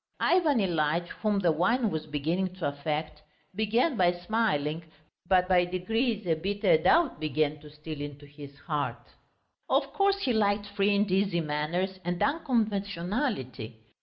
Ivan Ilyitch, whom the wine was beginning to affect, began by smiling, but by degrees a bitter doubt began to steal into his heart; of course he liked free and easy manners and unconventionality.